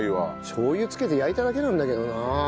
しょう油つけて焼いただけなんだけどな。